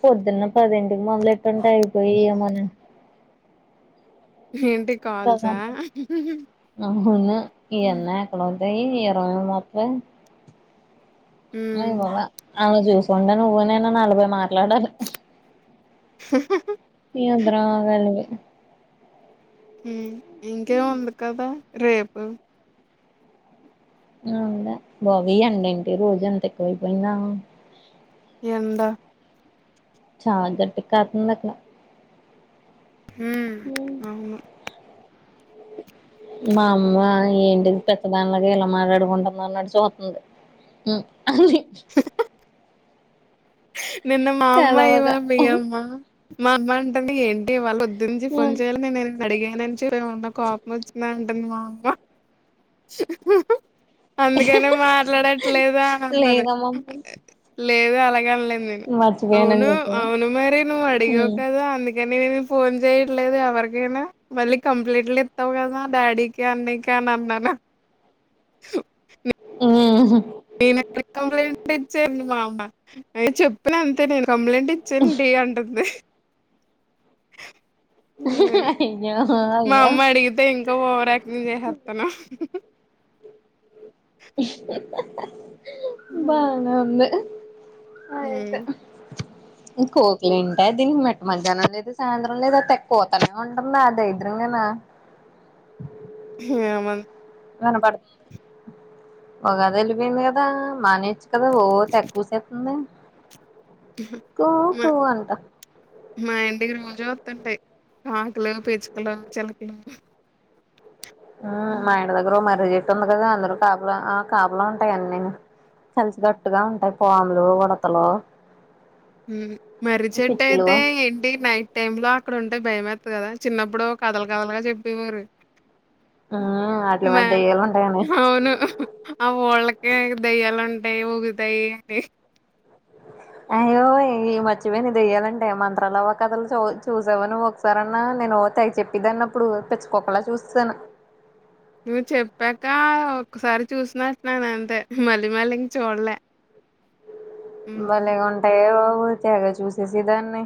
పొద్దున్న పదింటికి నన్ను ఎట్టుంటే అయిపోయేది ఏమన అ ఏంటి కాల్సా? అవునా అవున హ్మ్. ఇన్న ఎక్కడో ద ఇర మాప్ప అయి హ్మ్. బబ ఆమె జూస్ కుండా నువ్్వ నైనా నలభై మాట్లాడాలి ఏం అద్దురా వెలిగ హ ఇంకేం ఉంది కదా రేపు ఆ వుందా బాబీ ఏండేంటి రోజంత ఎక్కువైపోయిందా ఎండా చాలా గట్టిగా కాతుందక్క ఉ అవును మా అమ్మ ఏంటి పెద్దదానిలాగా ఇలా మాట్లాడుకుంటున్నాలు అన్నట్ చూత్తుంది అ నిన్న మా అమ్మ తెలవక ఇవాళ మీ అమ్మ మా అమ్మ అంటుందీ ఏంటి ఇవాళ వుం గురించి ఫోన్ చేయాల నే నేను అడిగానని చేప్ ఎమన్నా కోపం వచ్చింద అంటుంది మా అమ్మ అందుకనే మాట్లాడట్లేదా అన్నది అంతే లేదమ్మమ్మ అంతే లేదు అలాగే మర్చిపోయానని అవును అవును చెప్పు మరి నువ్వు అడిగావు కదా అందుకని నేను ఫోన్ చేయట్లేదు ఎవరికైనా మళ్ళీ కంప్లయింట్ లు ఇత్తావు కదా డాడీకి అన్నయ్యకీ అని అన్నాను స ఆ హ్ నేనేక్కడ కంప్లైంట్ ఇచ్చాను మా అమ్మ చెప్పిన అంతే నేను కంప్లైంట్ ఇచ్చేండి అంటుంది అయ్యో మా అయ్యో అమ్మ అడిగితే ఇంకా ఓవర్ యాక్టింగ్ చేసేస్తాను బానే ఉంది మ్ కోకలుంట దీనికి మెట్టటి మధ్యాహ్నం లేదు సాయంత్రం లేదు, కోతనే ఉంటుందా అ దరిద్రం గాని ఎం కనపడుతు ఒకగా వెలిపోయింది కదా మానే కదా ఓ తెగ కూసేస్తుంది కూ మా కూ అంట మా ఇంటికి రోజా వస్తూ ఉంటాయి కాకలు పిచ్చుకలు చిలకలు మా ఇంటి దగ్గర ను ఒక మర్రి చెట్ ంది కదా అందరుూ కాపుల ఆ కాపులా ఉంటాయి అన్నీను, కలిసి గట్టుగా ఉంటాయి పాములు ఉడతలు మ్ మర్రి చెట్టు పిచ్చుకలు అయితే ఏంటి నైట్ టైమ్ లో అక్కడ ఉంటే భయమ కదా చిన్నప్పుడు కథలు కథలుగా చెప్పేవరు ఉమ్ వాట్లి మ మీద దెయ్యాలు ఉంటాయని అవును ఆ వాళ్ళకే దయ్యాల ఉం దయ్యాలు ఊగుతాయి అయ్యో ఈ మర్చిపోను ఇది దయ్యాలంటే మంత్రలువ్వ కథలు చ చూసావా నువ్వు ఒకసార అన్నా, నేను తెగ చెప్పి దాన్ని అప్పుడు పెచ్చుకోకలా చూస్తాను నువ్వు చెప్పాక ఒక్కసారి చూసినట్టున్నాన అంతే మళ్ళీ మళ్ళీ ఇంకా చూడలే హ్మ్. మలేగా ఉంటాయో పోతేగా చూసేసి దాన్ని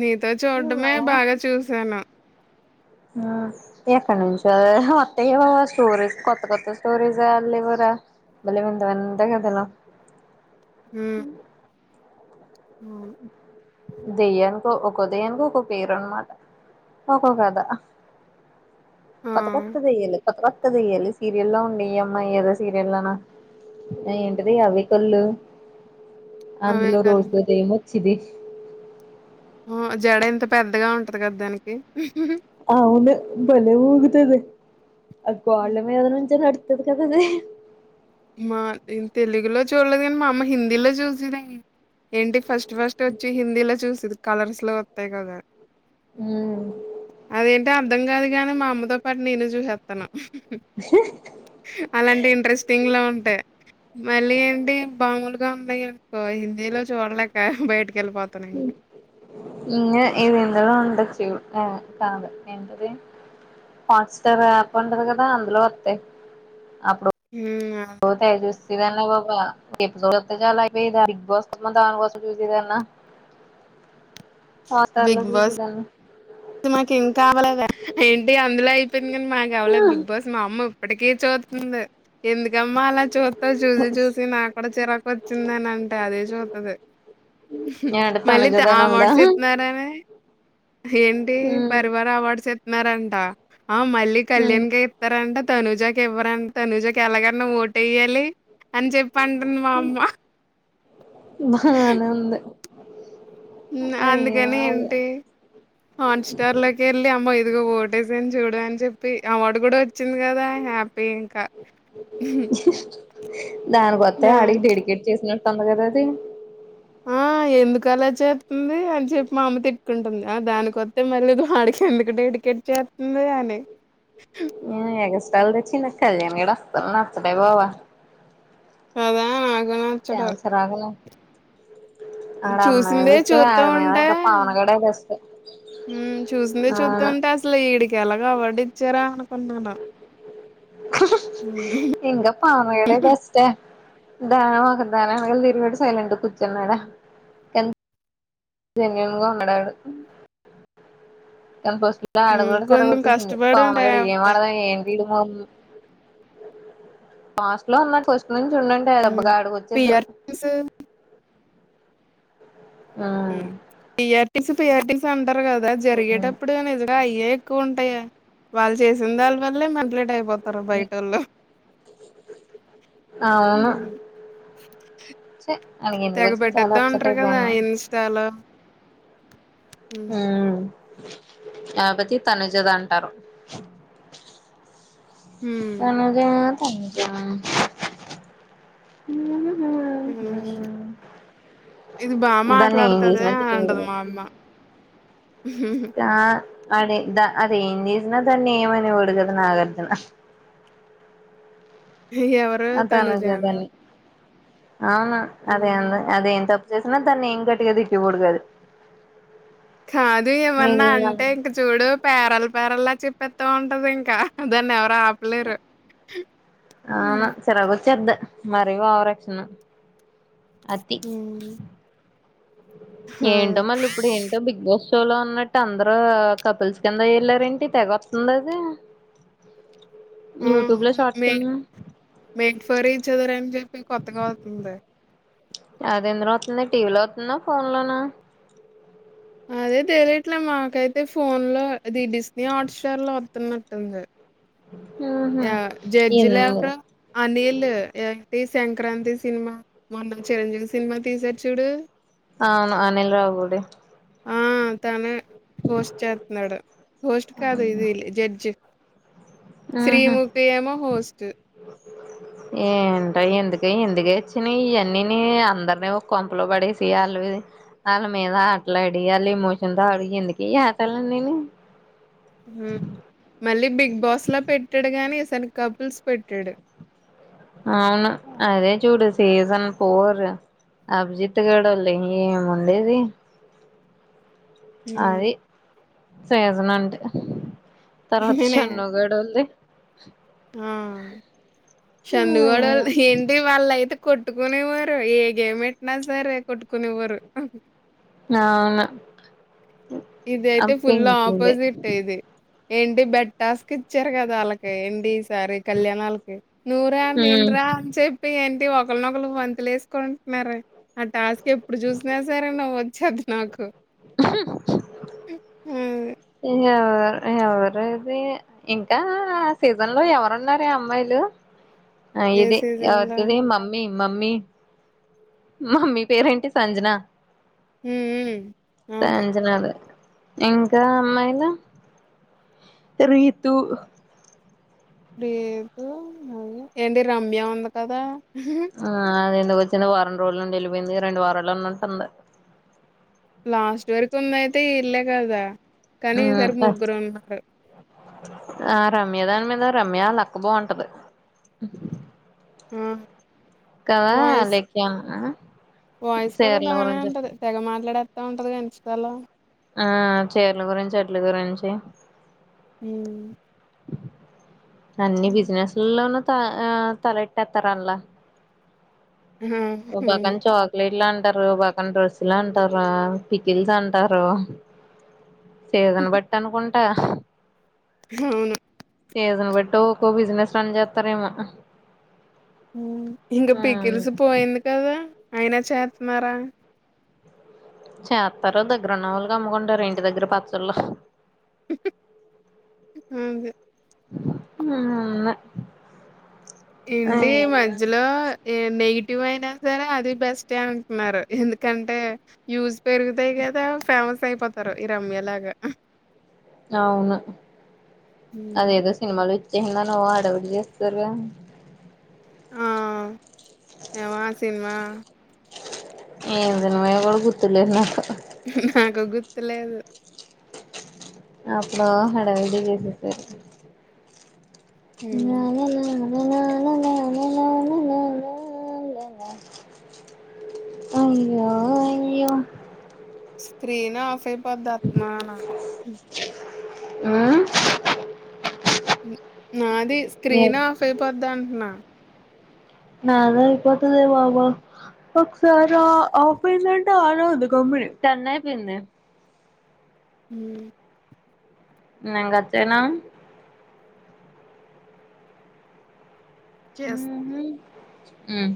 నీతో చూడడమే బాగా చూసాను ఎక్కడ నుంచిద మత్త బా స్టోరీస్ కొత్త కొత్త స్టోరీస్ళ్ళివరా మళ్ళ వింత వింత కథలు హ్మ్. అవును. దయ్యానికి ఒ దయ్యానికి ఒక్కొ పేరు అనమాట ఒక్కొ కద ఆ! కొత్త కొత్తదియలు కొత్త కొత్త దయాలు సీరియల్ లో ఉండయి అయ్యన ఏదో సీరియల్నా ఏంటిది అవ కళ్ళు అవే అందులో రోజు కలలు. బెర్రీ ఏమో సిది అ జడ ఎంత పెద్దగా ఉంటది కదా దానికి అవును భలే ఉగుతది అ కోళ్ల హ్మ్. మీద నుంచి నా [unintelligible] మా తెలుగులో చూడలేదు కానీ మా అమ్మ హిందీలో చూసద ఏంటి ఫస్ట్ ఫస్ట్ వచ్చి హిందీలో చూసిది కలర్స్ లో వస్తాయి కదా ఉమ్ అదేంటా అర్ధం కాదు కాగాని మా అమ్మతో పాటు నేను చూసేస్తాను అలాంటి ఇంట్రెస్ట్ లో ఉంటాయి మళ్ళీ ఏంటి బామలుగా ఉన్నాయి ఇ హిందీలో చూడలేక బైట్ ఇది ఇందులో ఉండచ్చు [unintelligible] కాద ఏంటది హాట్స్టార్ యాప్ ఉంటది కదా అందులో వస్తాయి ఉ [unintelligible] బిగ్ బాస్ దానీ కోసం చూసిదన్నా హాట్స్టార్ లో చూసేదాన్ని మాక ఏం కావలేదు ఏంటి అందులో అయిపోయింది కానీ మాకు అవ్వలేదు బిగ్ బాస్ మా అమ్మ ఇప్పటిక చూతుంది ఎందుకమ్మా అలా చూస్త చూసి చూసి నా కూడా చిరాకు వచ్చిందని అంటది చూతుది ఏడ మళ్ళీ ఆ తనుజదని ఉందా మట్స్ ఎతున్నారాని ఏంటి ఉమ్ పరివార అవార్డ్స్ చేస్తున్నారంట ఆ మళ్ళీ ఉమ్ కళ్యాణ్ క ఇస్తారంట తనుజాకి ఇవ్వరంట తనుజకు ఎలాగన్నా ఓటు ఎయ్యాలి అని చెప్ప అంటుంది మా అమ్మ బానే ఉంది మ్ అయ్యో అందుకని అయ్యో ఏంటి హాట్ స్టార్ లోకి వెళ్ళి అమ్మో ఇది ఓటేసని చూడు అని చెప్పి అవార్డు కూడా వచ్చ వచ్చింది కదా హ్యాపీ ఇంకా దా తొమ్ందగదది ఆ ఎందుకు అలా చేస్తుంది అని చెప్పి మా అమ్మ తిట్టుకుంటుంది, ఆ దానికొస్తే మళ్ళీ వాడికి ఎందుకు డేటికెట్ చేస్తుంది అని ఎగ స్టల్ దచ్చిన కళ్యాణ గడ అస్తల్ నచ్చటే పోవా అదా నా చాలాసర్ అగలా చూసిందే పిచ్చి చూస్తా ఆడి మీద ఉంటే ఇంకా పవన్ గడే బెస్ట్ చూసిందే చూస్తూ అవును ఉంటే అసలు ఈడికేలాగా అవార్డు ఇచ్చారా అనుకునాను ఇకా పవన్ గాడే బెస్ట్ ప్రధా ఆ తిరుగుడు సైలెట్ కుచెన్నడ [unintelligible] ఉన్నాడు వాడు కానీ ఫస్ట్ ఆడ హ్మ్. కూడా సరిగ్ కొంచెం వచ్చేసింది కష్టపడి పవన్ ఉంటాయి. గడ ఏం అవి. ఆడదం ఏంటి ఫస్ట్ లో ఉన్నా ఫస్ట్ ఇ నుంచి ఉడుంటా డబ్బగా హ్మ్. ఆడుక వచ్చేద్ద్దను పీఆర్ టీమ్స్ మ్మ్ [unintelligible] ంటారు కదా జరిగేటప్పుడుగా నిజగా అయ్య ఎక్కువ ఉంటాయా వాళ్ళు చేసిన దాన్ని వాళ్ళ వల్లే లేట్ అయిపోత [unintelligible] బయటోలు అవును ఛీ ఆడికి ఎందుకు తెగ వచ్చింది చాలా పెట్టద్దా అప్సెట్ ఉంటారు కదా అయిపోయాను ఇన్స్టాలో మ్మ్ కాకపోతే తనుజదంటారు హ్మ్. తనూజ [inaudible] బాగా దాన్ని ఏం మాట్లాడుతద చేసినా చేయడు అంటది కదా. మా అమ్మ ఆ అదే దా అది ఏం చేసినా దాన్ని ఏమని వాడు కదు నాగార్జున ఎవరు తనుజానా అవునా అదే హ్మ్. అంది అదే ఎంత చేసినా దాన్ని గట్టిగా తింటేవాడు కదు కాదు ఏమన్నా అంటే ఇంక చూడు పేరల్ పెరలా చెప్పేత్త ఉంటది ఇంకా దాన్ అవునా హ్మ్. చిరాకు వచ్చేది మరి ఓవరాక్షన్ అతి ఆ! ఏంటో మళ్ళీ ఇప్పుడు ఏంటో బిగ్ బాస్ షోలో ఉన్నట్టు అందరు కపుల్స్ కింద వెళ్లార ఏంటి తెగ వస్తుంది అది ఉహు యూట్యూబ్ లో షార్ట్స్ కింద మేడ్ ఫర్ ఈచ్ అదర్ చెప్పి కొత్తగా అవుతుంది అదెందులో అత్తుంది టీవీలో అత్తుందా ఫోన్ లోనా అదే తెలియట్లే మాకైతే ఫోన్ లో ఇది డిస్నీ హాట్ స్టార్ లో అతున్నట్టుంది ఉహు ఆ ఎందు జడ్జెలెవరు అనిల్ ఇ సంక్రాంతి సినిమా మొన్న చిరంజీవి సినిమా తీసారు చూడు అవును అనిల్ రావుపుడి ఆ తనే హోస్ట్ చెత్తూన్నాడు హోస్ట్ కాదు ఇది జడ్జ్ శ్రీ ముఖి ఏమో హోస్ట్ ఏంట ఎందుక ఎందుక వచ్చిన ఇవన్నీ నీ అందరినే కొంపలో పడేసి వాళ్ళు వాళ్ళ మీద ఆటలాడి వాళ్ళు ఎమోషన్తో ఆడి - - హు మన బిగ్ బాస్ లా పెట్టడు గాని తన కపుల్స్ పెట్టాడు అవును అదే చూడు సీజన్ ఫోర్ అభిజిత్ గాడు వాళ్ళ ఏముండేది హ్మ్ అది సేజనంటె తర్వాత నిజమే. షన్నుగాడోల్డి ఆ చందుగాడోళ్లది ఏంటి వాళ్ళ అయితే కొట్టుకునేవారు ఏగేమ్ పెట్టినా సరే కొట్టుకునేవారు అవును ఇది ఆ అయితే ఫుల్ పింకీది ఆపోజిట్ ఇది ఏంటి బెట్టాస్కి ఇచ్చారు కదా వాళ్ళకి ఏంటి సారి కళ్యాణాలకి నూరా నిండ హ్మ్ రా అని చెప్పి ఏ ఒకరినొకరు వంతులు వేసుకుంటున్నారు ఆ టాస్క్ ఎప్పుడు చూసినా సరే నవ్వు వచ్చది నాకు ఆహా [unintelligible] హ్మ్. ఏం కావాలా ఎవరుది ఇంకా సీజన్ లో ఎవరున్నారే అమ్మాయిలు ఆ ఏ ఇదే సీజన్‌లో అదే మమ్మీ మమ్మీ మమ్మీ పేరేంటి సంజనా హ్మ్. హ్మ్. అవును. సంజనాద ఇంకా అమ్మాయిల రీతు లేదు అ ఏంటి రమ్య ఉంది కదా ఆ అదే ఎందుకొచ్చింద వారం రోజుల నుండి వెజ్ పొయింది రెండు వార్తలు ఉన్నట్టుంది లాస్ట్ వరకు ఉందయితే ఇల్లే కదా కాని హ్మ్ ఈసర్ ముగ్గురు ఉన్నారు ఆ రమ్య దాని మీద రమ్య వాళ్ళ అక్క బాగుంటది హ్మ్ కద అలేఖ్య వాయిస్ కూడా బానే ఉంటది తెగ మాట్లాడ పెడ్తా ఉంటది గా ఇంస్టా లో ఆ చీరల గురించి [inaudible] గురించి హ్మ్ అన్ని బిజినెస్ లో త ఆ తలెట్టతారు అందులో ఆ ఓ పక్కన చాక్లెట్ లు అం అంటారు పక్కన డ్రెస్సులు అంటారు పికిల్స్ అంటారు సీజన్లో బట్టి అనుకుంట అ అవును సీజన్లో బట్టి ఒక బిజినెస్ సంజాతరేమో ఇంగ పికల్స్ పోయింది కదా అ అయినా చేతన్నారా చేస్తారు దగ్గర ఉన్న వాళ్ళకి అమ్ముకుంటారు ఇంటి దగ్గర పచ్చళ్ళు హ్మ్ హ్మ్ ఏంటి మధ్యలో నెగి నెగటివ్ అయినా సరే అది బెస్ట్ అంటున్నారు ఎందుకంటే యూస్ పెరుగుతాయి కదా ఫేమస్ అయిపోతారు ఈ రమ్యలాగా అవును హ్మ్ అదేదో సినిమాలో చిన్నాను అడవిలు చేస్తారుగా ఆ యవ సినిమా ఎం తినమో కూడా గుర్తులే నాకు నాకు గుర్తులేదు అప్పుడు హడావిడి చేసేసారు హ్మ్. అదేలే ల లాల లాల లాల అయ్యో అయ్యో స్క్రీన్ ఆఫ్ దాత్మాన హ్మ్ నాది స్క్రీన్ ఆఫ్ అయిపోది అంట్నా నదా అయిపోతదే బాబు ఒకసారి ఆఫ్ ఐదనంటే అన్వద్దు గమ్ముని టెన్ అయిపోయింది ఉం నేన్ కట్ చేయన చేస్ ఉం